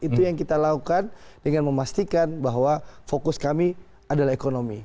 itu yang kita lakukan dengan memastikan bahwa fokus kami adalah ekonomi